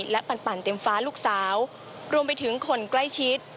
และปั่นเต็มฟ้าลูกสาวรวมไปถึงคนใกล้ชิด